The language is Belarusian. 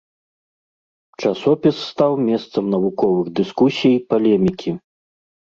Часопіс стаў месцам навуковых дыскусій, палемікі.